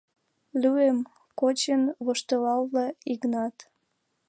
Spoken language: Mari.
— Луым! — кочын воштылале Йыгнат.